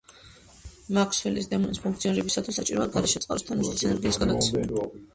მაქსველის დემონის ფუნქციონირებისთვის საჭიროა გარეშე წყაროსგან მისთვის ენერგიის გადაცემა.